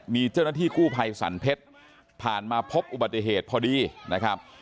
มีเจ้าหน้าที่กู้ภัยสรรเพชรผ่านมาพบอุบัติเหตุพอดีนะครับ